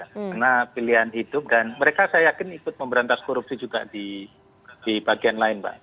karena pilihan hidup dan mereka saya yakin ikut memberantas korupsi juga di bagian lain mbak